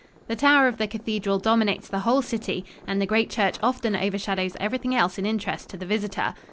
The tower of the cathedral dominates the whole city and the great church often overshadows everything else in interest to the visitor.